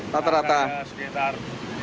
rata rata sekitar tiga puluh lima puluh